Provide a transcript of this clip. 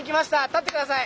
立ってください。